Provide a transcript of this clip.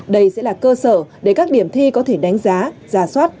đây sẽ là cơ sở để các điểm thi có thể đánh giá giả soát